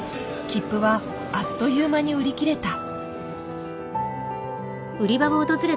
切符はあっという間に売り切れた。